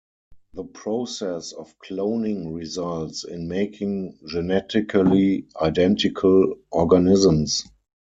The process of cloning results in making genetically identical organisms.